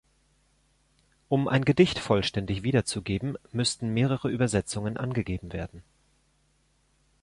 Um ein Gedicht vollständig wiederzugeben, müssten mehrere Übersetzungen angegeben werden.